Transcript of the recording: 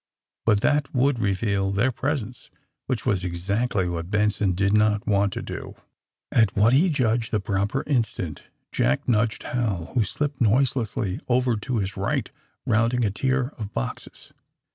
But that would reveal their presence, which was exactly what Benson did not want to do. At what he judged the proper instant Jack nudged Hal, who slipped noiselessly over to his right, rounding a tier of boxes.